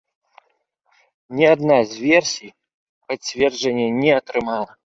Ні адна з версій пацверджання не атрымала.